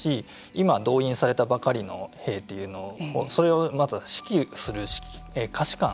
今、動員されたばかりの兵というのをそれをまた指揮する下士官